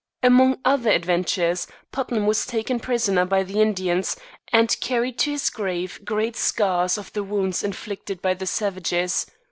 Among other adventures, Putnam was taken prisoner by the Indians, and carried to his grave great scars of the wounds inflicted by the savages.